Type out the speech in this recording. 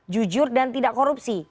jujur dan tidak korupsi